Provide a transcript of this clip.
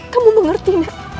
kamu mengerti nda